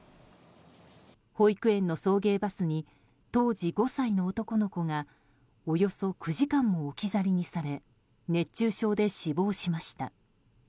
保育園の送迎バスに当時５歳の男の子がおよそ９時間も置き去りにされ熱中症で死亡しました。